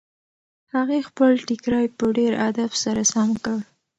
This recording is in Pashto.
هغې خپل ټیکری په ډېر ادب سره سم کړ.